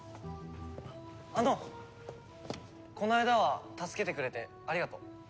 あのこの間は助けてくれてありがとう。